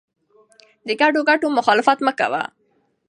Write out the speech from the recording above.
د ګډو ګټو مخالفت مه کوه.